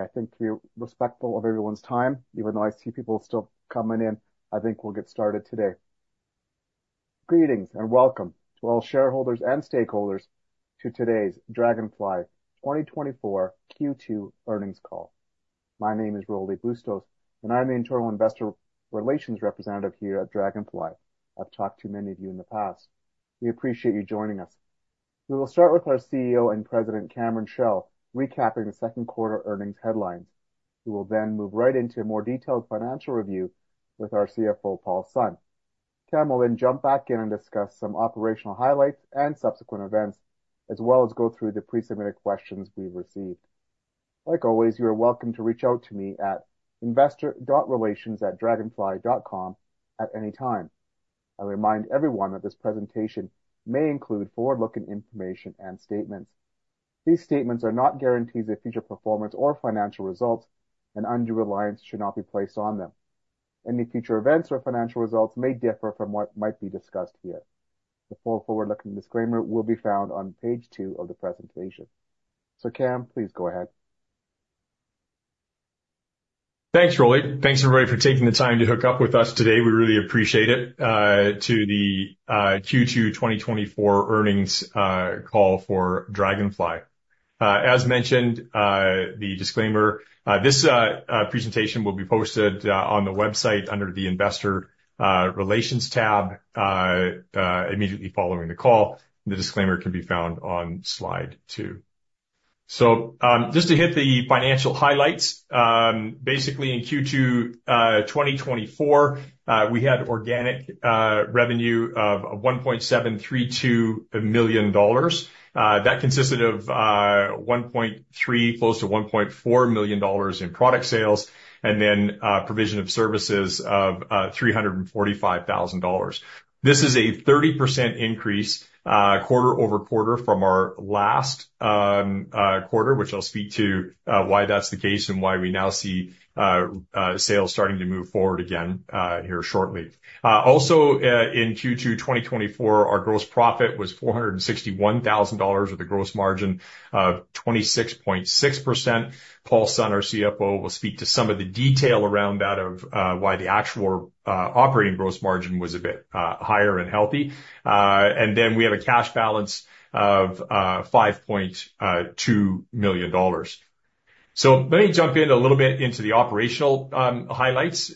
I think to be respectful of everyone's time, even though I see people still coming in, I think we'll get started today. Greetings, and welcome to all shareholders and stakeholders to today's Draganfly 2024 Q2 earnings call. My name is Rolly Bustos, and I'm the internal investor relations representative here at Draganfly. I've talked to many of you in the past. We appreciate you joining us. We will start with our CEO and President, Cameron Chell, recapping the second quarter earnings headlines. We will then move right into a more detailed financial review with our CFO, Paul Sun. Cam will then jump back in and discuss some operational highlights and subsequent events, as well as go through the pre-submitted questions we've received. Like always, you are welcome to reach out to me at investor.relations@draganfly.com at any time. I remind everyone that this presentation may include forward-looking information and statements. These statements are not guarantees of future performance or financial results, and undue reliance should not be placed on them. Any future events or financial results may differ from what might be discussed here. The full forward-looking disclaimer will be found on page two of the presentation. Cam, please go ahead. Thanks, Rolly. Thanks, everybody, for taking the time to hook up with us today, we really appreciate it, to the Q2 2024 earnings call for Draganfly. As mentioned, the disclaimer, this presentation will be posted on the website under the investor relations tab immediately following the call. The disclaimer can be found on slide two. So, just to hit the financial highlights, basically, in Q2 2024, we had organic revenue of $1.732 million. That consisted of $1.3, close to $1.4 million in product sales, and then provision of services of $345,000. This is a 30% increase, quarter-over-quarter from our last quarter, which I'll speak to why that's the case and why we now see sales starting to move forward again here shortly. Also, in Q2 2024, our gross profit was $461,000, with a gross margin of 26.6%. Paul Sun, our CFO, will speak to some of the detail around that of why the actual operating gross margin was a bit higher and healthy. And then we have a cash balance of $5.2 million. So let me jump in a little bit into the operational highlights,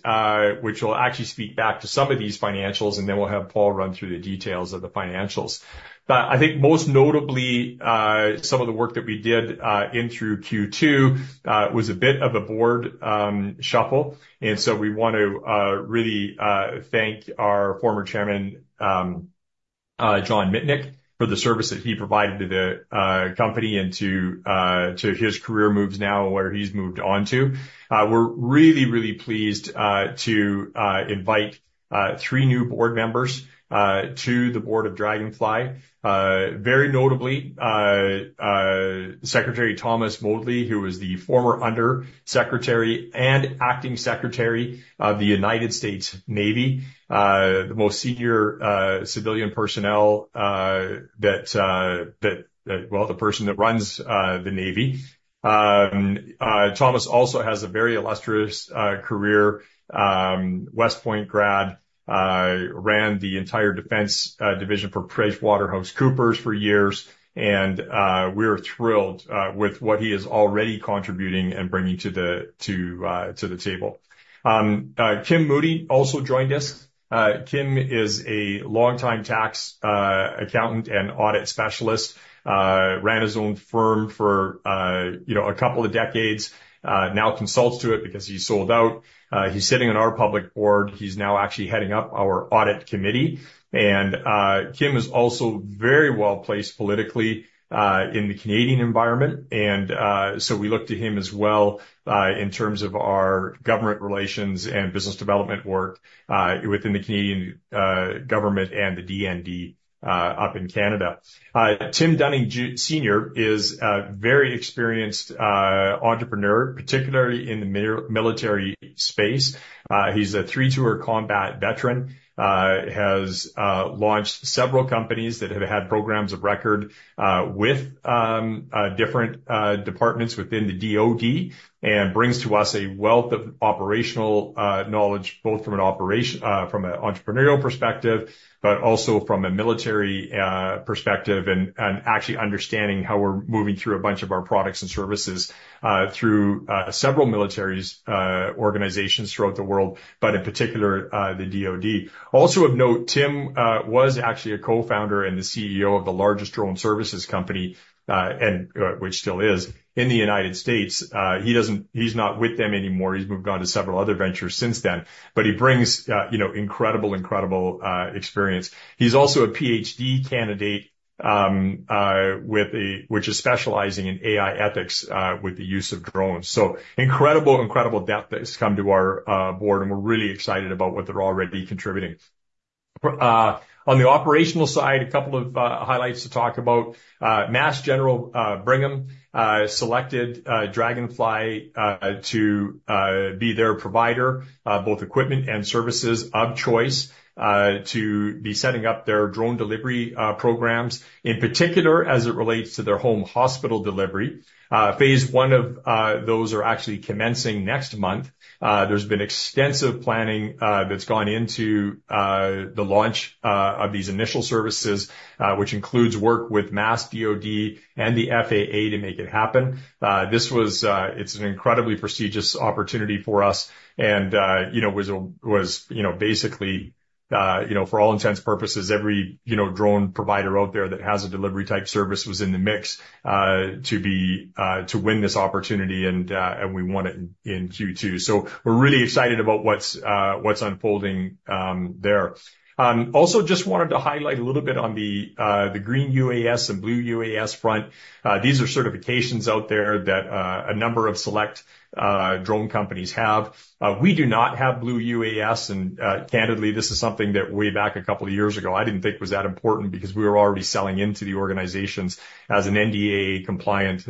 which will actually speak back to some of these financials, and then we'll have Paul run through the details of the financials. But I think most notably, some of the work that we did in through Q2 was a bit of a board shuffle, and so we want to really thank our former Chairman John Mitnick for the service that he provided to the company and to his career moves now, and where he's moved on to. We're really pleased to invite three new board members to the board of Draganfly. Very notably, Secretary Thomas Modly, who was the former Under Secretary and Acting Secretary of the United States Navy, the most senior civilian personnel that well, the person that runs the Navy. Thomas also has a very illustrious career, West Point grad, ran the entire defense division for PricewaterhouseCoopers for years, and we're thrilled with what he is already contributing and bringing to the table. Kim Moody also joined us. Kim is a longtime tax accountant and audit specialist, ran his own firm for, you know, a couple of decades, now consults to it because he's sold out. He's sitting on our public board. He's now actually heading up our audit committee, and Kim is also very well-placed politically in the Canadian environment. So we look to him as well in terms of our government relations and business development work within the Canadian government and the DND up in Canada. Tim Dunning is a very experienced entrepreneur, particularly in the military space. He's a three-tour combat veteran, has launched several companies that have had programs of record with different departments within the DoD, and brings to us a wealth of operational knowledge, both from an entrepreneurial perspective, but also from a military perspective, and actually understanding how we're moving through a bunch of our products and services through several militaries organizations throughout the world, but in particular, the DoD. Also of note, Tim was actually a co-founder and the CEO of the largest drone services company, and which still is in the United States. He doesn't, he's not with them anymore. He's moved on to several other ventures since then, but he brings, you know, incredible, incredible, experience. He's also a Ph.D. candidate, with a, which is specializing in AI ethics, with the use of drones. So incredible, incredible depth that has come to our, board, and we're really excited about what they're already contributing. On the operational side, a couple of, highlights to talk about. Mass General Brigham selected Draganfly to be their provider of both equipment and services of choice to be setting up their drone delivery programs, in particular, as it relates to their home hospital delivery. Phase I of those are actually commencing next month. There's been extensive planning that's gone into the launch of these initial services, which includes work with MassDOT and the FAA to make it happen. This is an incredibly prestigious opportunity for us, and you know, was a, was you know, basically you know, for all intents and purposes, every you know, drone provider out there that has a delivery-type service was in the mix to win this opportunity, and we won it in Q2. So we're really excited about what's unfolding there. Also just wanted to highlight a little bit on the Green UAS and Blue UAS front. These are certifications out there that a number of select drone companies have. We do not have Blue UAS, and, candidly, this is something that way back a couple of years ago, I didn't think was that important because we were already selling into the organizations as an NDAA-compliant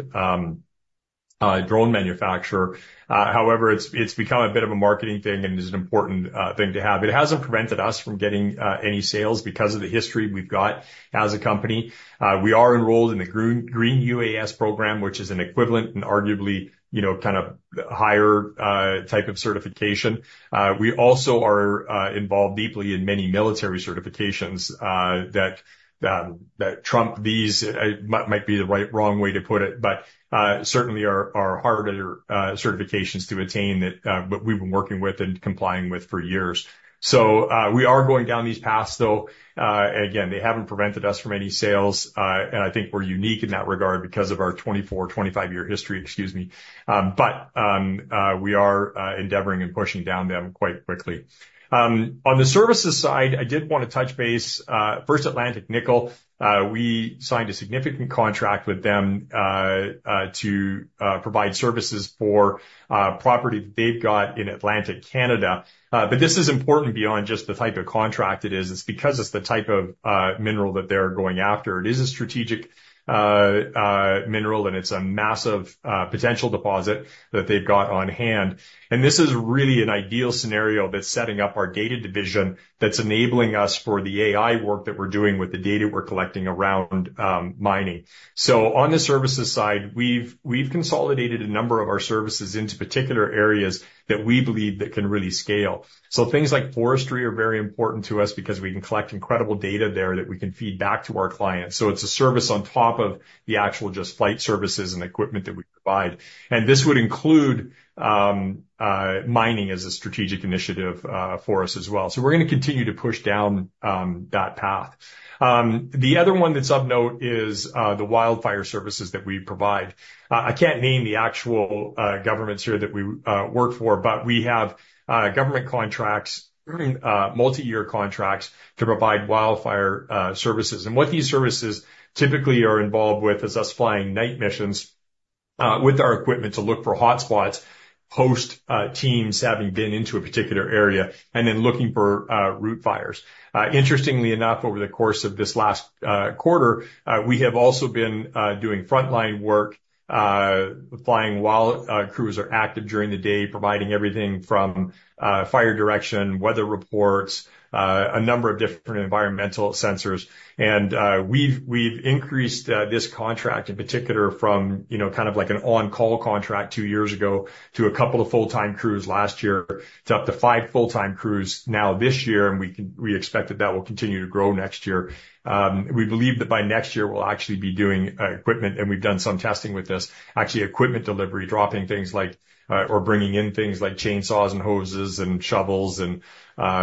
drone manufacturer. However, it's, it's become a bit of a marketing thing and is an important thing to have. It hasn't prevented us from getting any sales because of the history we've got as a company. We are enrolled in the Green UAS program, which is an equivalent and arguably, you know, kind of higher type of certification. We also are involved deeply in many military certifications that trump these, might be the right wrong way to put it, but certainly are harder certifications to attain, but we've been working with and complying with for years. So, we are going down these paths, though, again, they haven't prevented us from any sales. And I think we're unique in that regard because of our 24-25-year history, excuse me. But we are endeavoring and pushing down them quite quickly. On the services side, I did wanna touch base. First Atlantic Nickel, we signed a significant contract with them to provide services for property that they've got in Atlantic Canada. But this is important beyond just the type of contract it is. It's because it's the type of mineral that they're going after. It is a strategic mineral, and it's a massive potential deposit that they've got on hand. And this is really an ideal scenario that's setting up our data division, that's enabling us for the AI work that we're doing with the data we're collecting around mining. So on the services side, we've consolidated a number of our services into particular areas that we believe that can really scale. So things like forestry are very important to us because we can collect incredible data there that we can feed back to our clients. So it's a service on top of the actual just flight services and equipment that we provide. And this would include mining as a strategic initiative for us as well. So we're gonna continue to push down that path. The other one that's of note is the wildfire services that we provide. I can't name the actual governments here that we work for, but we have government contracts, multiyear contracts, to provide wildfire services. And what these services typically are involved with is us flying night missions with our equipment, to look for hotspots, post teams having been into a particular area and then looking for root fires. Interestingly enough, over the course of this last quarter, we have also been doing frontline work, flying while crews are active during the day, providing everything from fire direction, weather reports, a number of different environmental sensors. We've increased this contract in particular from, you know, kind of like an on-call contract two years ago to a couple of full-time crews last year, to up to five full-time crews now this year, and we expect that that will continue to grow next year. We believe that by next year, we'll actually be doing equipment, and we've done some testing with this, actually equipment delivery, dropping things like or bringing in things like chainsaws and hoses and shovels and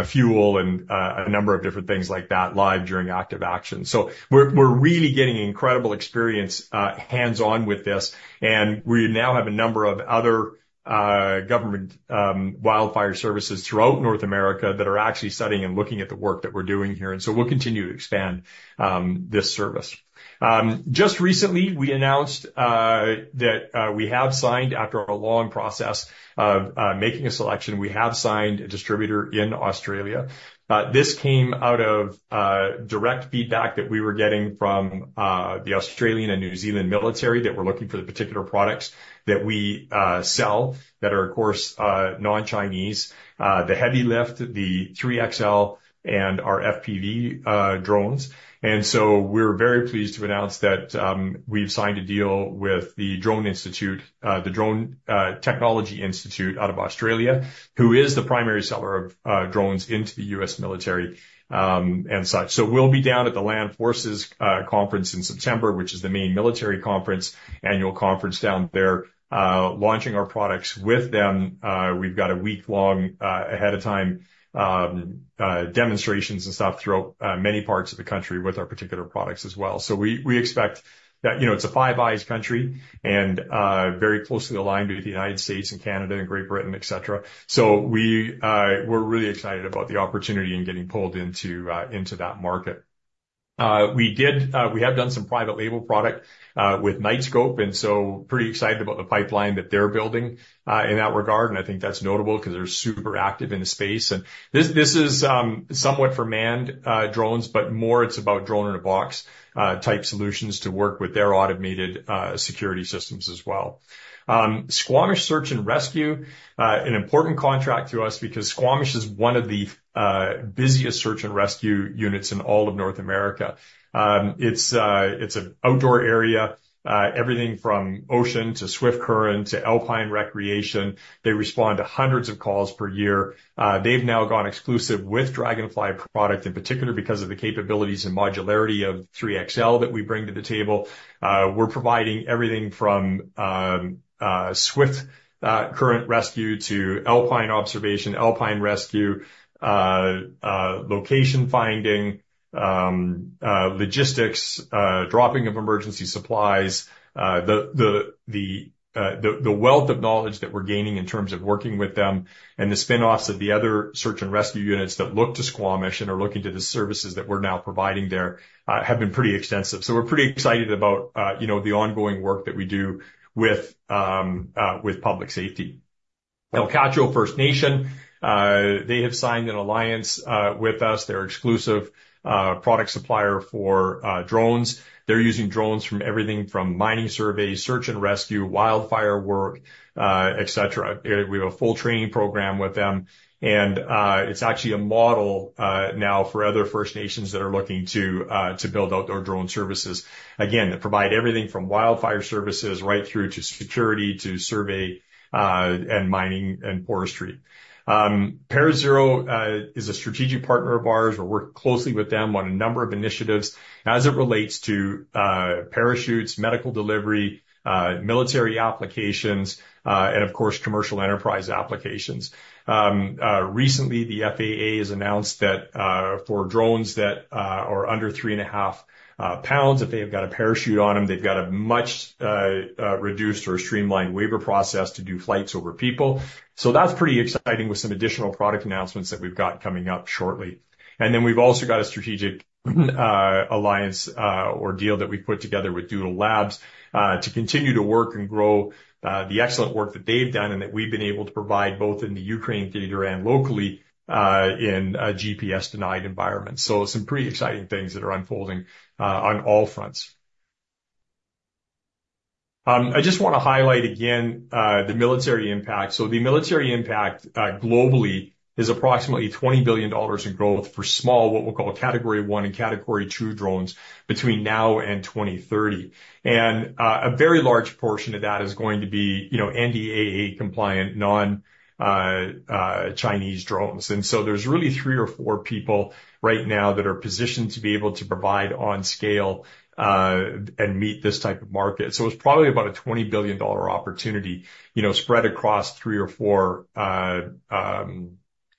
fuel and a number of different things like that, live during active action. So we're really getting incredible experience hands-on with this, and we now have a number of other government wildfire services throughout North America that are actually studying and looking at the work that we're doing here, and so we'll continue to expand this service. Just recently, we announced that we have signed, after a long process of making a selection, we have signed a distributor in Australia. This came out of direct feedback that we were getting from the Australian and New Zealand military that were looking for the particular products that we sell, that are, of course, non-Chinese. The heavy lift, the 3XL and our FPV drones. And so we're very pleased to announce that we've signed a deal with The Drone Institute out of Australia, who is the primary seller of drones into the U.S. military, and such. So we'll be down at the Land Forces conference in September, which is the main military conference, annual conference down there, launching our products with them. We've got a week-long ahead of time demonstrations and stuff throughout many parts of the country with our particular products as well. So we, we expect that. You know, it's a Five Eyes country and very closely aligned with the United States and Canada and Great Britain, et cetera. So we're really excited about the opportunity and getting pulled into that market. We did, we have done some private label product with Knightscope, and so pretty excited about the pipeline that they're building in that regard. And I think that's notable 'cause they're super active in the space. And this, this is somewhat for manned drones, but more it's about drone-in-a-box type solutions to work with their automated security systems as well. Squamish Search and Rescue, an important contract to us because Squamish is one of the busiest search and rescue units in all of North America. It's an outdoor area, everything from ocean to swift current to alpine recreation. They respond to hundreds of calls per year. They've now gone exclusive with Draganfly product, in particular, because of the capabilities and modularity of 3XL that we bring to the table. We're providing everything from swift current rescue to alpine observation, alpine rescue, location finding, logistics, dropping of emergency supplies. The wealth of knowledge that we're gaining in terms of working with them and the spinoffs of the other search and rescue units that look to Squamish and are looking to the services that we're now providing there have been pretty extensive. So we're pretty excited about, you know, the ongoing work that we do with public safety. Ulkatcho First Nation, they have signed an alliance with us. They're exclusive product supplier for drones. They're using drones from everything from mining surveys, search and rescue, wildfire work, etc. We have a full training program with them, and it's actually a model now for other First Nations that are looking to build out their drone services. Again, they provide everything from wildfire services, right through to security, to survey, and mining and forestry. ParaZero is a strategic partner of ours. We work closely with them on a number of initiatives as it relates to parachutes, medical delivery, military applications, and of course, commercial enterprise applications. Recently, the FAA has announced that for drones that are under 3.5 pounds, if they have got a parachute on them, they've got a much reduced or streamlined waiver process to do flights over people. So that's pretty exciting with some additional product announcements that we've got coming up shortly. Then we've also got a strategic alliance or deal that we've put together with Doodle Labs to continue to work and grow the excellent work that they've done and that we've been able to provide both in the Ukraine theater and locally in a GPS-denied environment. Some pretty exciting things that are unfolding on all fronts. I just want to highlight again the military impact. The military impact globally is approximately $20 billion in growth for small, what we'll call Category 1 and Category two drones, between now and 2030. A very large portion of that is going to be, you know, NDAA-compliant, non-Chinese drones. So there's really three or four people right now that are positioned to be able to provide on scale and meet this type of market. So it's probably about a $20 billion opportunity, you know, spread across three or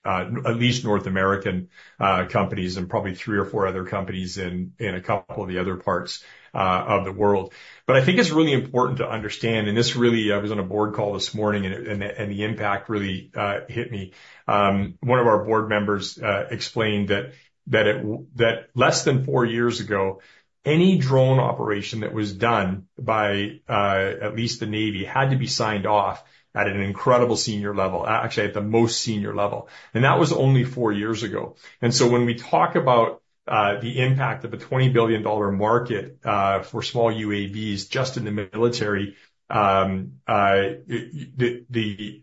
four, at least North American, companies, and probably three or four other companies in, in a couple of the other parts, of the world. But I think it's really important to understand, and this real. I was on a board call this morning, and, and the, and the impact really, hit me. One of our board members, explained that, that it, that less than four years ago, any drone operation that was done by, at least the Navy, had to be signed off at an incredible senior level, actually, at the most senior level. And that was only four years ago. And so when we talk about the impact of a $20 billion market for small UAVs just in the military, the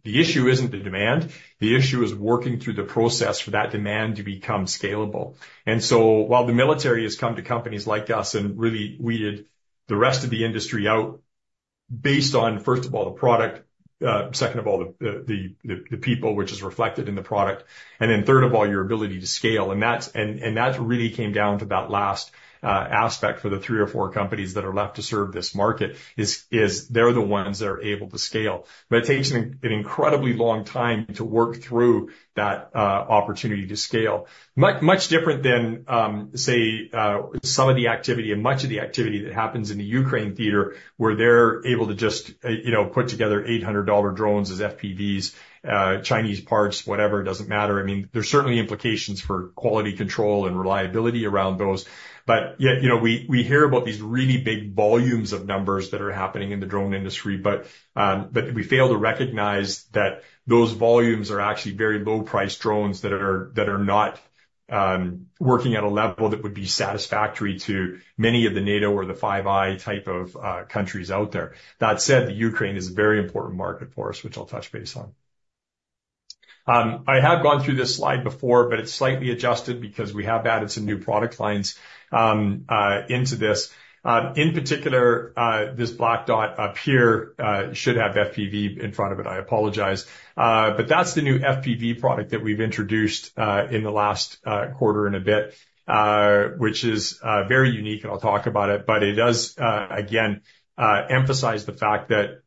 issue isn't the demand. The issue is working through the process for that demand to become scalable. And so while the military has come to companies like us and really weeded the rest of the industry out, based on, first of all, the product, second of all, the people, which is reflected in the product, and then third of all, your ability to scale. And that's, and that's really came down to that last aspect for the three or four companies that are left to serve this market, is they're the ones that are able to scale. But it takes an incredibly long time to work through that opportunity to scale. Much, much different than, say, some of the activity and much of the activity that happens in the Ukraine theater, where they're able to just, you know, put together $800 drones as FPVs, Chinese parts, whatever, it doesn't matter. I mean, there's certainly implications for quality control and reliability around those. But yet, you know, we, we hear about these really big volumes of numbers that are happening in the drone industry, but, but we fail to recognize that those volumes are actually very low-priced drones that are, that are not, working at a level that would be satisfactory to many of the NATO or the Five Eyes type of, countries out there. That said, the Ukraine is a very important market for us, which I'll touch base on. I have gone through this slide before, but it's slightly adjusted because we have added some new product lines into this. In particular, this black dot up here should have FPV in front of it. I apologize. But that's the new FPV product that we've introduced in the last quarter and a bit, which is very unique, and I'll talk about it. But it does again emphasize the fact that,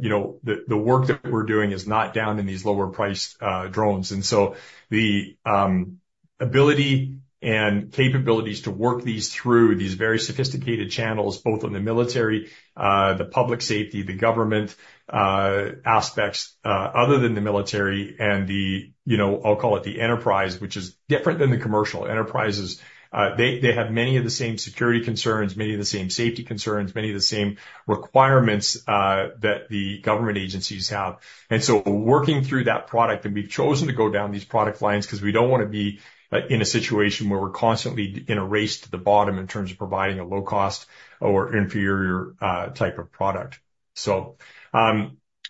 you know, the work that we're doing is not down in these lower-priced drones. And so the ability and capabilities to work these through these very sophisticated channels, both on the military, the public safety, the government aspects, other than the military and the, you know, I'll call it the enterprise, which is different than the commercial enterprises. They have many of the same security concerns, many of the same safety concerns, many of the same requirements that the government agencies have. So working through that product, and we've chosen to go down these product lines 'cause we don't wanna be in a situation where we're constantly in a race to the bottom in terms of providing a low cost or inferior type of product.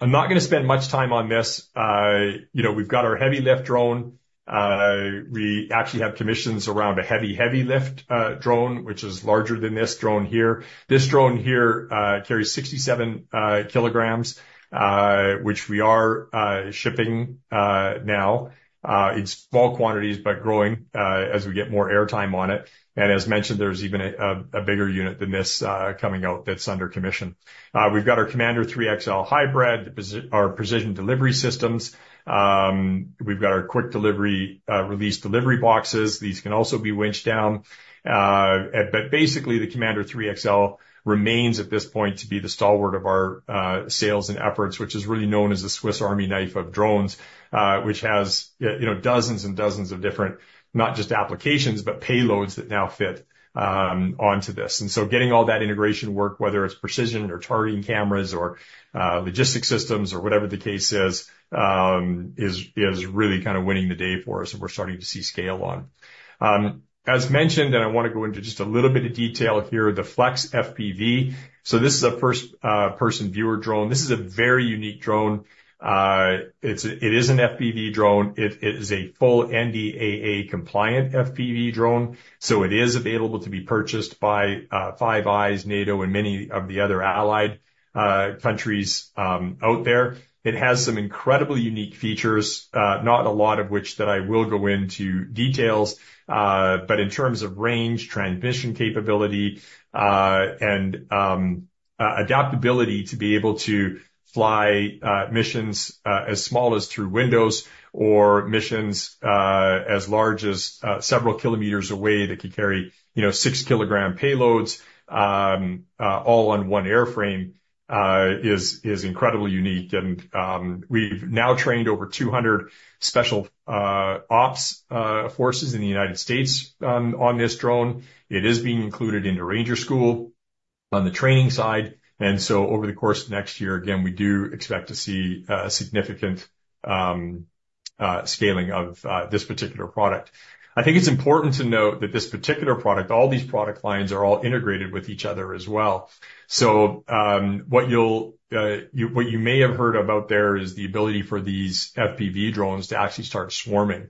I'm not gonna spend much time on this. You know, we've got our Heavy Lift Drone. We actually have commissions around a heavy Heavy Lift Drone, which is larger than this drone here. This drone here carries 67km, which we are shipping now in small quantities, but growing as we get more air time on it. And as mentioned, there's even a bigger unit than this coming out that's under commission. We've got our Commander 3XL Hybrid, our precision delivery systems. We've got our quick delivery release delivery boxes. These can also be winched down. But basically, the Commander 3XL remains at this point to be the stalwart of our sales and efforts, which is really known as the Swiss Army knife of drones, which has, you know, dozens and dozens of different, not just applications, but payloads that now fit onto this. And so getting all that integration work, whether it's precision or targeting cameras or logistics systems, or whatever the case is, is really kind of winning the day for us, and we're starting to see scale on. As mentioned, and I wanna go into just a little bit of detail here, the Flex FPV. So this is a first-person view drone. This is a very unique drone. It is an FPV drone. It is a full NDAA-compliant FPV drone, so it is available to be purchased by Five Eyes, NATO, and many of the other allied countries out there. It has some incredibly unique features, not a lot of which that I will go into details, but in terms of range, transmission capability, and adaptability to be able to fly missions as small as through windows, or missions as large as several kilometers away, that can carry, you know, 6km payloads, all on one airframe, is incredibly unique. We've now trained over 200 special ops forces in the United States on this drone. It is being included in the Ranger School on the training side. So over the course of next year, again, we do expect to see significant scaling of this particular product. I think it's important to note that this particular product, all these product lines are all integrated with each other as well. So, what you may have heard about there is the ability for these FPV drones to actually start swarming.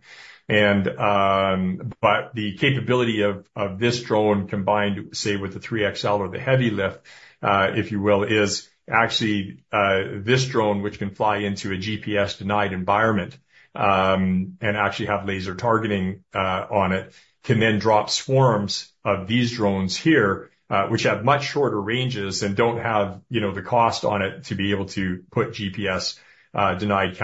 But the capability of this drone combined, say, with the 3XL or the heavy lift, if you will, is actually this drone, which can fly into a GPS-denied environment and actually have laser targeting on it, can then drop swarms of these drones here, which have much shorter ranges and don't have, you know, the cost on it to be able to put GPS-denied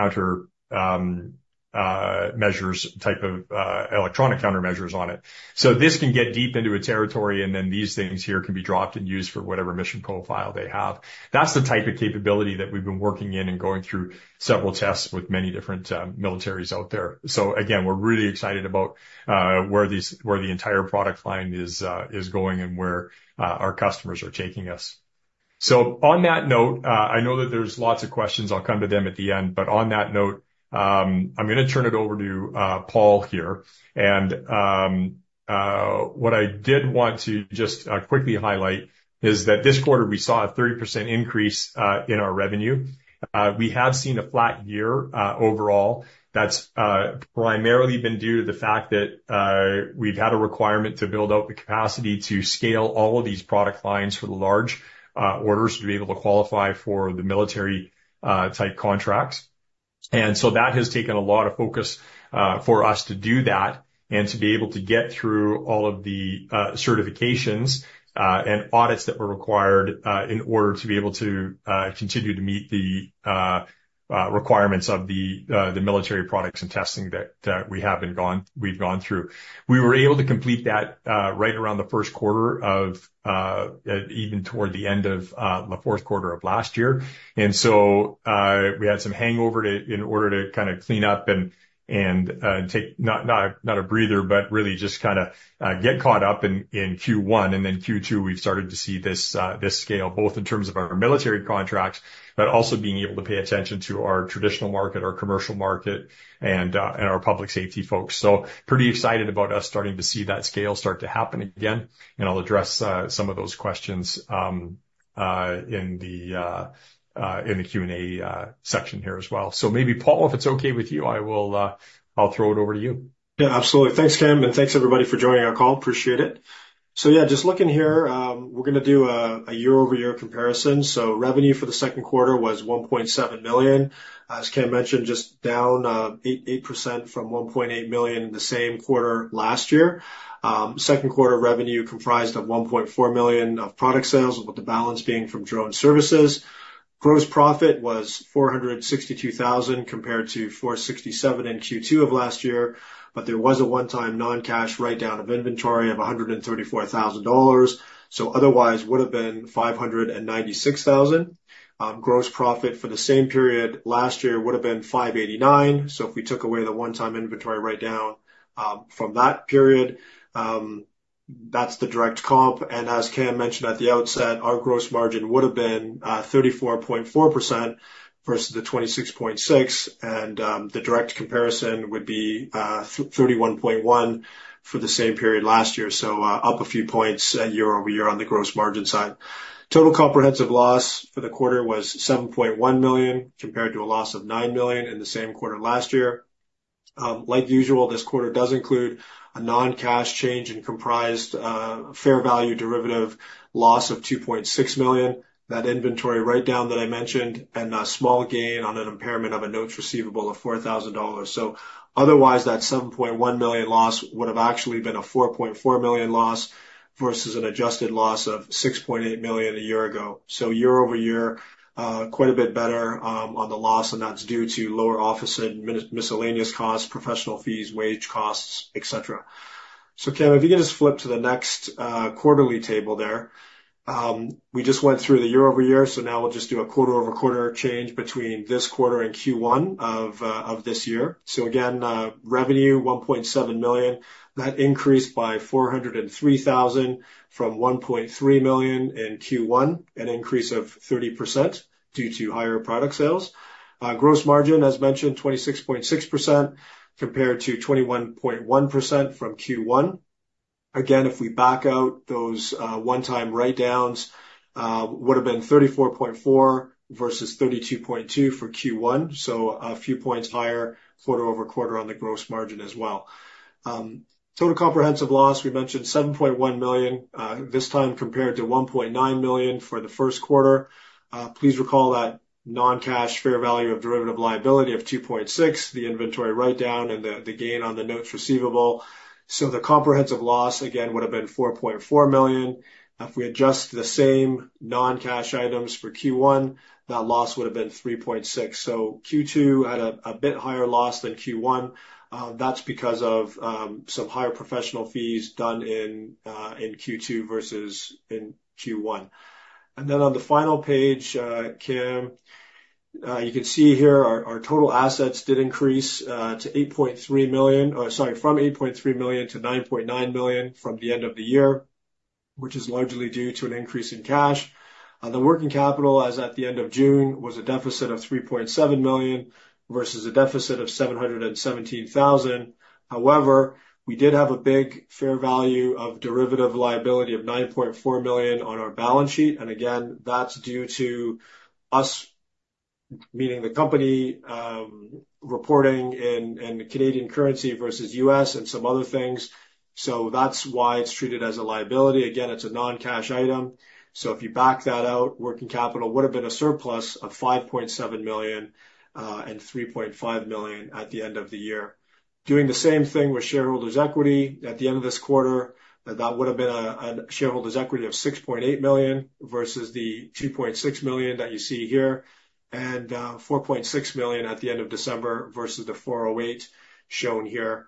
countermeasures, type of electronic countermeasures on it. So this can get deep into a territory, and then these things here can be dropped and used for whatever mission profile they have. That's the type of capability that we've been working in and going through several tests with many different militaries out there. So again, we're really excited about where the entire product line is going and where our customers are taking us. So on that note, I know that there's lots of questions. I'll come to them at the end. But on that note, I'm gonna turn it over to Paul here. What I did want to just quickly highlight is that this quarter, we saw a 30% increase in our revenue. We have seen a flat year overall. That's primarily been due to the fact that we've had a requirement to build out the capacity to scale all of these product lines for the large orders to be able to qualify for the military type contracts. That has taken a lot of focus for us to do that and to be able to get through all of the certifications and audits that were required in order to be able to continue to meet the requirements of the military products and testing that we've gone through. We were able to complete that right around the first quarter of even toward the end of the fourth quarter of last year. We had some hangover in order to kinda clean up and take not a breather, but really just kinda get caught up in Q1. And then Q2, we've started to see this, this scale, both in terms of our military contracts, but also being able to pay attention to our traditional market, our commercial market, and, and our public safety folks. So pretty excited about us starting to see that scale start to happen again, and I'll address, some of those questions, in the Q&A, section here as well. So maybe, Paul, if it's okay with you, I will, I'll throw it over to you. Yeah, absolutely. Thanks, Cam, and thanks, everybody, for joining our call. Appreciate it. So yeah, just looking here, we're gonna do a year-over-year comparison. So revenue for the second quarter was $1.7 million. As Cam mentioned, just down 8% from $1.8 million in the same quarter last year. Second quarter revenue comprised of $1.4 million of product sales, with the balance being from drone services. Gross profit was $462,000, compared to $467,000 in Q2 of last year, but there was a one-time non-cash write-down of inventory of $134,000. So otherwise, would have been $596,000. Gross profit for the same period last year would have been $589,000. So if we took away the one-time inventory write-down from that period, that's the direct comp. And as Cam mentioned at the outset, our gross margin would have been 34.4% versus the 26.6%, and the direct comparison would be 31.1% for the same period last year. So up a few points year-over-year on the gross margin side. Total comprehensive loss for the quarter was $7.1 million, compared to a loss of $9 million in the same quarter last year. Like usual, this quarter does include a non-cash change and comprised fair value derivative loss of $2.6 million. That inventory write-down that I mentioned, and a small gain on an impairment of a notes receivable of $4,000. So otherwise, that 7.1 million loss would have actually been a 4.4 million loss versus an adjusted loss of 6.8 million a year ago. So year-over-year, quite a bit better on the loss, and that's due to lower office and miscellaneous costs, professional fees, wage costs, etc. So Cam, if you can just flip to the next quarterly table there. We just went through the year-over-year, so now we'll just do a quarter-over-quarter change between this quarter and Q1 of this year. So again, revenue 1.7 million. That increased by 403,000 from 1.3 million in Q1, an increase of 30% due to higher product sales. Gross margin, as mentioned, 26.6% compared to 21.1% from Q1. Again, if we back out those one-time write-downs, would've been 34.4 versus 32.2 for Q1, so a few points higher quarter-over-quarter on the gross margin as well. Total comprehensive loss, we mentioned $7.1 million this time compared to $1.9 million for the first quarter. Please recall that non-cash fair value of derivative liability of $2.6, the inventory write-down, and the gain on the notes receivable. So the comprehensive loss, again, would've been $4.4 million. If we adjust the same non-cash items for Q1, that loss would've been $3.6. So Q2 had a bit higher loss than Q1. That's because of some higher professional fees done in Q2 versus in Q1. Then on the final page, Cam, you can see here our total assets did increase to 8.3 million. Sorry, from 8.3 million to 9.9 million from the end of the year, which is largely due to an increase in cash. The working capital, as at the end of June, was a deficit of 3.7 million, versus a deficit of 717,000. However, we did have a big fair value of derivative liability of 9.4 million on our balance sheet, and again, that's due to us, meaning the company, reporting in Canadian currency versus U.S. and some other things. So that's why it's treated as a liability. Again, it's a non-cash item. So if you back that out, working capital would've been a surplus of 5.7 million and 3.5 million at the end of the year. Doing the same thing with shareholders' equity at the end of this quarter, that would've been a shareholders' equity of 6.8 million, versus the 2.6 million that you see here, and 4.6 million at the end of December versus the 408 shown here.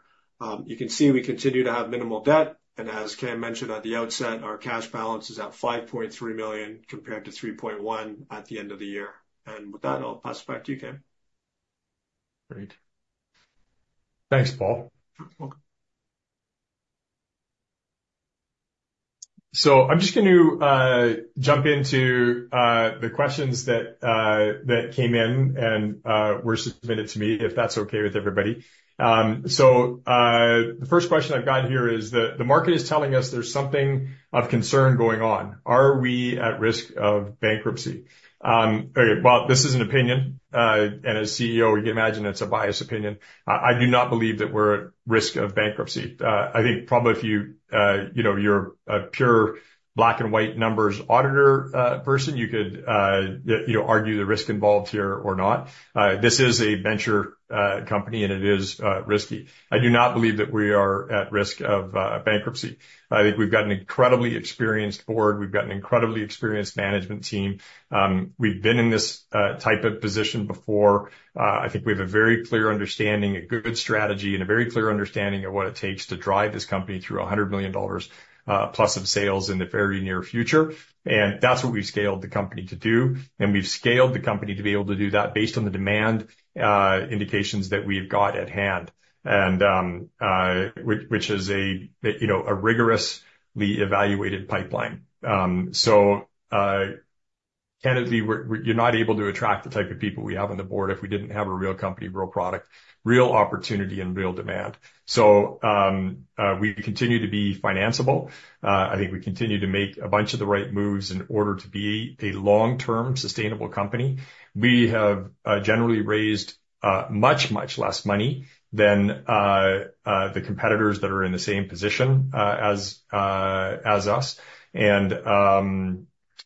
You can see we continue to have minimal debt, and as Cam mentioned at the outset, our cash balance is at 5.3 million, compared to 3.1 at the end of the year. And with that, I'll pass it back to you, Cam. Great. Thanks, Paul. You're welcome. So I'm just going to jump into the questions that came in and were submitted to me, if that's okay with everybody. The first question I've got here is that the market is telling us there's something of concern going on. Are we at risk of bankruptcy? Well, this is an opinion, and as CEO, you can imagine it's a biased opinion. I do not believe that we're at risk of bankruptcy. I think probably if you know, you're a pure black and white numbers auditor person, you could you know, argue the risk involved here or not. This is a venture company, and it is risky. I do not believe that we are at risk of bankruptcy. I think we've got an incredibly experienced board. We've got an incredibly experienced management team. We've been in this type of position before. I think we have a very clear understanding, a good strategy, and a very clear understanding of what it takes to drive this company through 100 million dollars plus of sales in the very near future. And that's what we've scaled the company to do, and we've scaled the company to be able to do that based on the demand indications that we've got at hand. And, which is a, you know, a rigorously evaluated pipeline. So, candidly, you're not able to attract the type of people we have on the board if we didn't have a real company, real product, real opportunity, and real demand. So, we continue to be financiable. I think we continue to make a bunch of the right moves in order to be a long-term sustainable company. We have generally raised much, much less money than the competitors that are in the same position as us.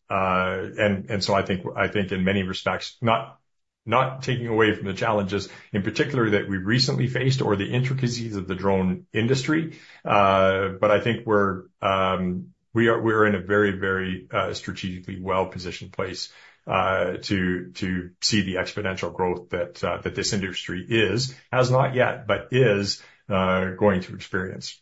So I think in many respects, not taking away from the challenges, in particular, that we recently faced or the intricacies of the drone industry. But I think we're in a very, very strategically well-positioned place to see the exponential growth that this industry has not yet, but is going to experience.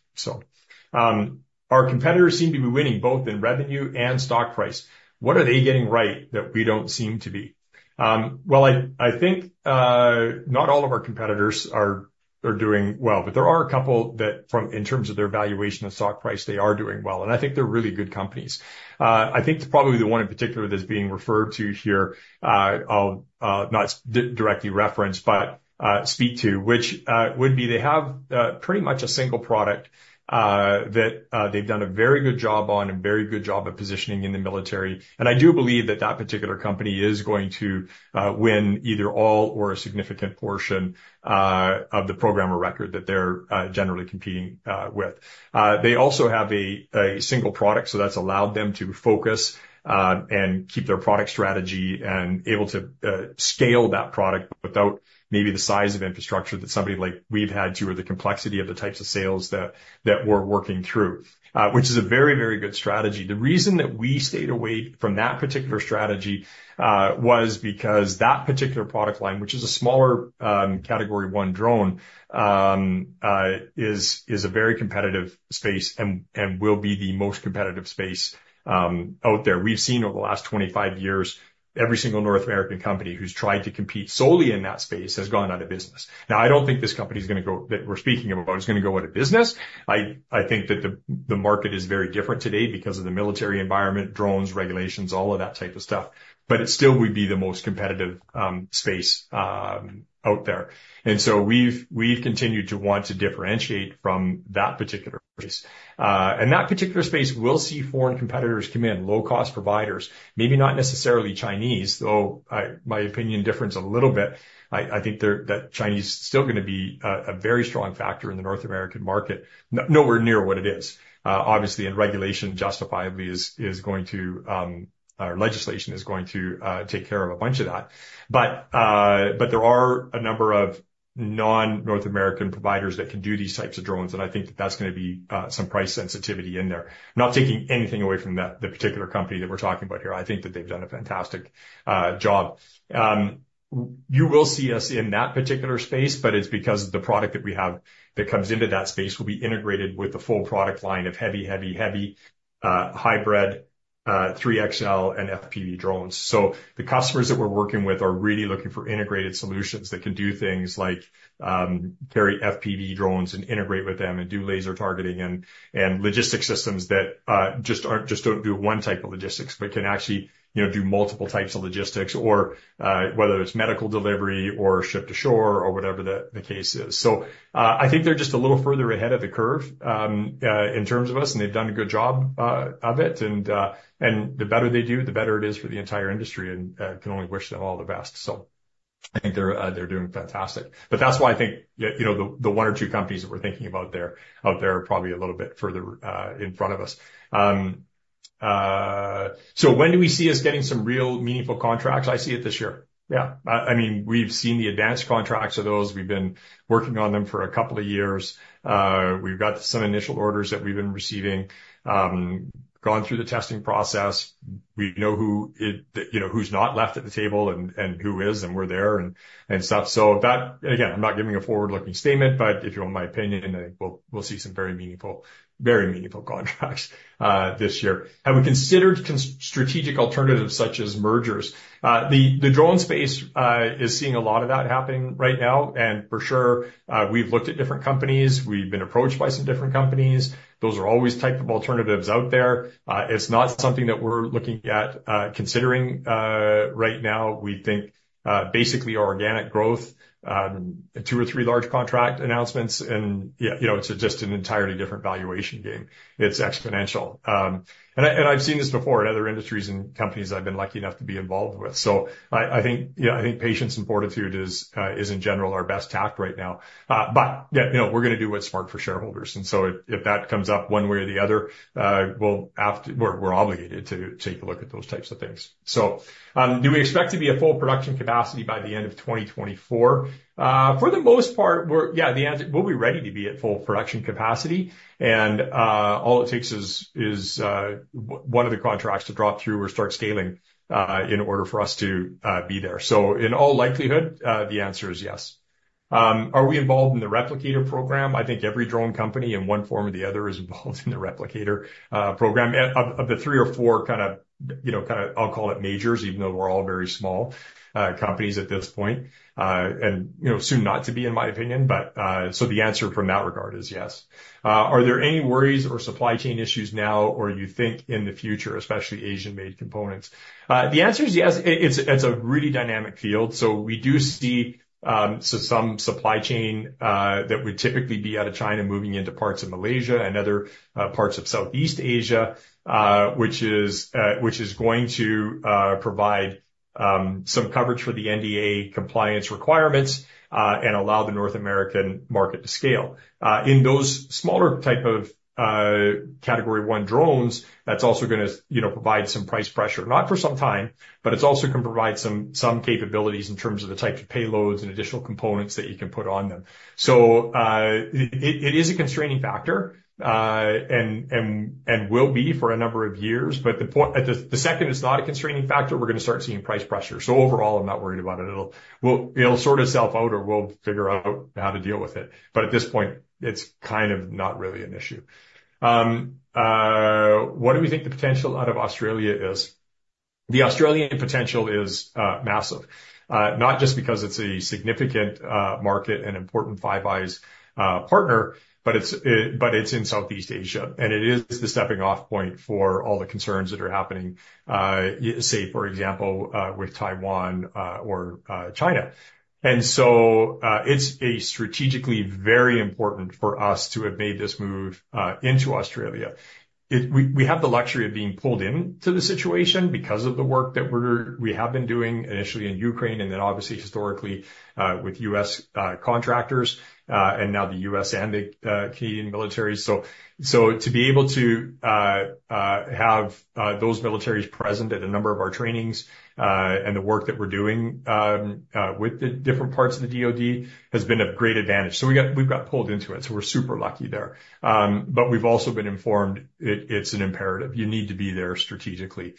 Our competitors seem to be winning both in revenue and stock price. What are they getting right that we don't seem to be? Well, I think not all of our competitors are doing well, but there are a couple that, from in terms of their valuation and stock price, they are doing well, and I think they're really good companies. I think probably the one in particular that's being referred to here, I'll not directly reference, but speak to, which would be they have pretty much a single product that they've done a very good job on and very good job at positioning in the military. And I do believe that that particular company is going to win either all or a significant portion of the program or record that they're generally competing with. They also have a single product, so that's allowed them to focus and keep their product strategy and able to scale that product without maybe the size of infrastructure that somebody like we've had to, or the complexity of the types of sales that we're working through, which is a very, very good strategy. The reason that we stayed away from that particular strategy was because that particular product line, which is a smaller Category 1 drone, is a very competitive space and will be the most competitive space out there. We've seen over the last 25 years, every single North American company who's tried to compete solely in that space has gone out of business. Now, I don't think this company is gonna go, that we're speaking about, is gonna go out of business. I think that the market is very different today because of the military environment, drones, regulations, all of that type of stuff, but it still would be the most competitive space out there. And so we've continued to want to differentiate from that particular space. And that particular space, we'll see foreign competitors come in, low-cost providers, maybe not necessarily Chinese, though my opinion differs a little bit. I think that Chinese is still gonna be a very strong factor in the North American market, nowhere near what it is. Obviously, and regulation, justifiably, is going to legislation is going to take care of a bunch of that. But there are a number of non-North American providers that can do these types of drones, and I think that's gonna be some price sensitivity in there. Not taking anything away from the particular company that we're talking about here. I think that they've done a fantastic job. You will see us in that particular space, but it's because the product that we have that comes into that space will be integrated with the full product line of heavy, heavy, heavy hybrid 3XL and FPV drones. So the customers that we're working with are really looking for integrated solutions that can do things like, carry FPV drones and integrate with them and do laser targeting and logistics systems that just don't do one type of logistics, but can actually, you know, do multiple types of logistics or whether it's medical delivery or ship-to-shore or whatever the case is. So I think they're just a little further ahead of the curve in terms of us, and they've done a good job of it. And the better they do, the better it is for the entire industry, and I can only wish them all the best. So I think they're doing fantastic. But that's why I think, you know, the, the one or two companies that we're thinking about there, out there, are probably a little bit further in front of us. So when do we see us getting some real meaningful contracts? I see it this year. Yeah. I mean, we've seen the advanced contracts of those. We've been working on them for a couple of years. We've got some initial orders that we've been receiving, gone through the testing process. We know who it, you know, who's not left at the table and, and who is, and we're there and, and stuff. So that, again, I'm not giving a forward-looking statement, but if you want my opinion, I think we'll, we'll see some very meaningful, very meaningful contracts this year. Have we considered strategic alternatives such as mergers? The drone space is seeing a lot of that happening right now, and for sure, we've looked at different companies. We've been approached by some different companies. Those are always type of alternatives out there. It's not something that we're looking at, considering, right now. We think, basically, organic growth, two or three large contract announcements and, yeah, you know, it's just an entirely different valuation game. It's exponential. And I've seen this before in other industries and companies I've been lucky enough to be involved with. So I think, yeah, I think patience and fortitude is in general our best tact right now. But, yeah, you know, we're gonna do what's smart for shareholders, and so if that comes up one way or the other, we'll have to... We're obligated to take a look at those types of things. So, do we expect to be at full production capacity by the end of 2024? For the most part, we're, yeah, the answer, we'll be ready to be at full production capacity, and all it takes is one of the contracts to drop through or start scaling, in order for us to be there. So in all likelihood, the answer is yes. Are we involved in the Replicator program? I think every drone company in one form or the other is involved in the Replicator program. Of the three or four kind of, you know, kind of, I'll call it majors, even though we're all very small companies at this point, and, you know, soon not to be, in my opinion, but, so the answer from that regard is yes. Are there any worries or supply chain issues now, or you think in the future, especially Asian-made components? The answer is yes. It's a really dynamic field, so we do see some supply chain that would typically be out of China, moving into parts of Malaysia and other parts of Southeast Asia, which is going to provide some coverage for the NDAA compliance requirements, and allow the North American market to scale. In those smaller type of Category 1 drones, that's also gonna, you know, provide some price pressure. Not for some time, but it's also can provide some, some capabilities in terms of the types of payloads and additional components that you can put on them. So, it is a constraining factor, and will be for a number of years. But the point, the second it's not a constraining factor, we're gonna start seeing price pressure. So overall, I'm not worried about it. It'll, well, it'll sort itself out, or we'll figure out how to deal with it. But at this point, it's kind of not really an issue. What do we think the potential out of Australia is? The Australian potential is massive. Not just because it's a significant market and important Five Eyes partner, but it's in Southeast Asia, and it is the stepping-off point for all the concerns that are happening, say, for example, with Taiwan, or China. And so, it's a strategically very important for us to have made this move into Australia. We have the luxury of being pulled into the situation because of the work that we have been doing, initially in Ukraine and then obviously historically with U.S. contractors, and now the U.S. and the Canadian military. So to be able to have those militaries present at a number of our trainings, and the work that we're doing with the different parts of the DoD has been a great advantage. So we've got pulled into it, so we're super lucky there. But we've also been informed it's an imperative. You need to be there strategically.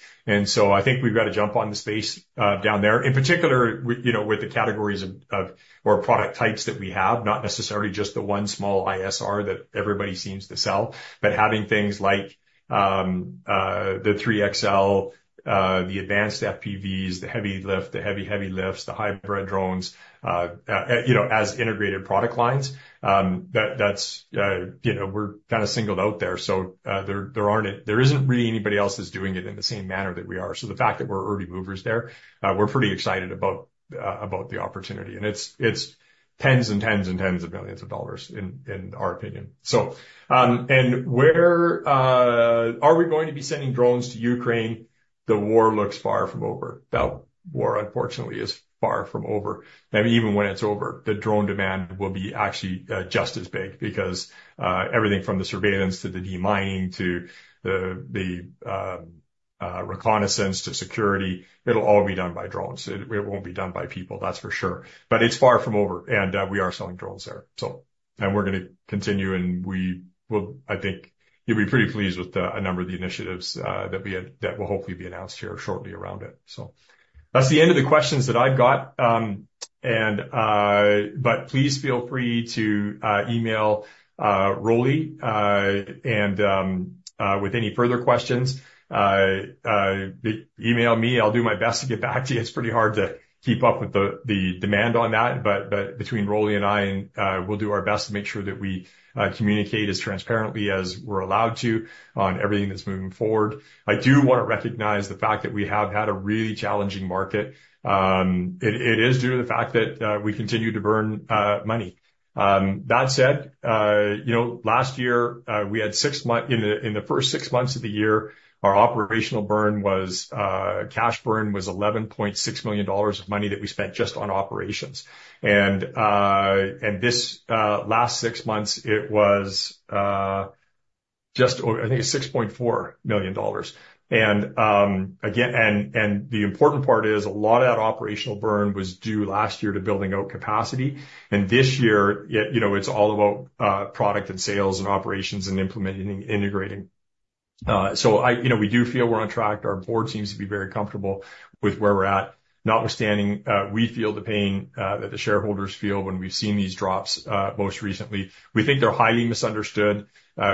So I think we've got to jump on the space down there. In particular, with, you know, with the categories of or product types that we have, not necessarily just the one small ISR that everybody seems to sell, but having things like the 3XL, the advanced FPVs, the heavy lift, the heavy lifts, the hybrid drones, you know, as integrated product lines. That's, you know, we're kind of singled out there, so there isn't really anybody else that's doing it in the same manner that we are. So the fact that we're early movers there, we're pretty excited about the opportunity. It's tens and tens and tens of millions of dollars in our opinion. So, where are we going to be sending drones to Ukraine? The war looks far from over. That war, unfortunately, is far from over. And even when it's over, the drone demand will be actually just as big because everything from the surveillance to the de-mining, to the reconnaissance, to security, it'll all be done by drones. It won't be done by people, that's for sure. But it's far from over, and we are selling drones there. So, we're gonna continue, and we will, I think you'll be pretty pleased with a number of the initiatives that we have, that will hopefully be announced here shortly around it. So that's the end of the questions that I've got, and. But please feel free to email Rolly and with any further questions, email me, I'll do my best to get back to you. It's pretty hard to keep up with the demand on that, but between Rolly and I, we'll do our best to make sure that we communicate as transparently as we're allowed to on everything that's moving forward. I do wanna recognize the fact that we have had a really challenging market. It is due to the fact that we continue to burn money. That said, you know, last year we had, in the first six months of the year, our operational burn was cash burn was $11.6 million of money that we spent just on operations. This last six months, it was just, I think it's $6.4 million. And again, the important part is a lot of that operational burn was due last year to building out capacity, and this year, yet, you know, it's all about product and sales and operations and implementing, integrating. So, I, you know, we do feel we're on track. Our board seems to be very comfortable with where we're at. Notwithstanding, we feel the pain that the shareholders feel when we've seen these drops most recently. We think they're highly misunderstood.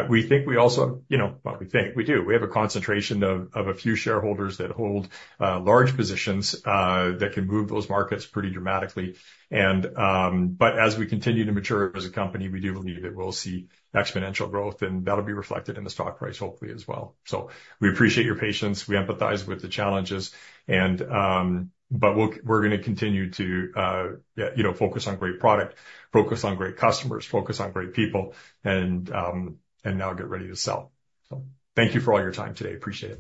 We think we also, you know, well, we think, we do, we have a concentration of a few shareholders that hold large positions that can move those markets pretty dramatically. But as we continue to mature as a company, we do believe that we'll see exponential growth, and that'll be reflected in the stock price, hopefully, as well. So we appreciate your patience. We empathize with the challenges, and we're gonna continue to, you know, focus on great product, focus on great customers, focus on great people, and now get ready to sell. So thank you for all your time today. Appreciate it.